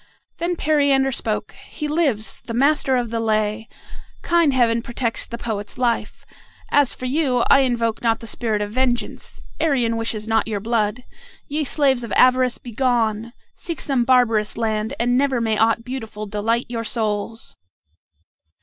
Then Periander spoke. "He lives, the master of the lay! Kind Heaven protects the poet's life. As for you, I invoke not the spirit of vengeance; Arion wishes not your blood. Ye slaves of avarice, begone! Seek some barbarous land, and never may aught beautiful delight your souls!"